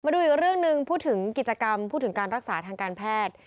ดูอีกเรื่องหนึ่งพูดถึงกิจกรรมพูดถึงการรักษาทางการแพทย์